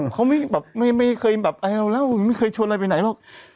เขาไม่เคยฝืนอะไรไปไหนหรอก